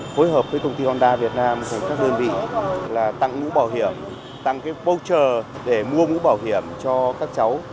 phối hợp với công ty honda việt nam và các đơn vị là tặng mũi bảo hiểm tặng cái voucher để mua mũi bảo hiểm cho các cháu